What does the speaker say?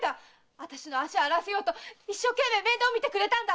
あたしの足を洗わせようと一生懸命面倒を見てくれたんだ。